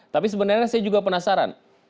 tapi sebenarnya saya juga penasaran